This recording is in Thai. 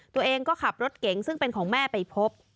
ตัวเองก็ขับรถเก๋งซึ่งเป็นของแม่ไปพบ